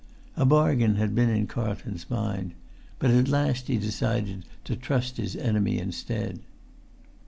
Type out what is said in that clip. A bargain had been in Carlton's mind, but at the last he decided to trust his enemy instead.